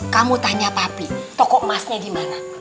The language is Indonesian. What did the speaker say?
kamu tanya papi toko emasnya dimana